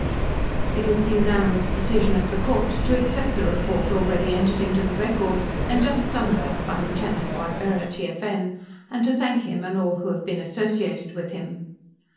"It is the unanimous decision of the court to accept the report already entered into the record and just summarized by Lieutenant Ybarra, TFN, and to thank him and all who have been associated with him.